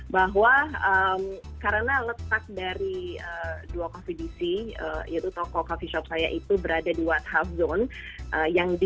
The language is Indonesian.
bahwa karena letak dari dua coffee dc yaitu toko coffee shop saya itu berada di whatsap zone